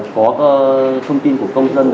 có thông tin của công dân